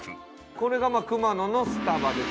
これがまあ熊野のスタバです。